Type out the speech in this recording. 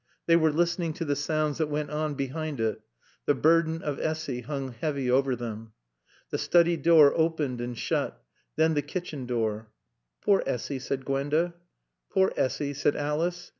They were listening to the sounds that went on behind it. The burden of Essy hung heavy over them. The study door opened and shut. Then the kitchen door. "Poor Essy," said Gwenda. "Poor Essy," said Alice.